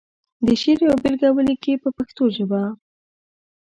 د شعر یوه بېلګه ولیکي په پښتو ژبه.